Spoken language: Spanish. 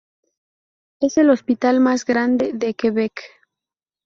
Es el hospital más grande de Quebec.